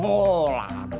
loh lah atu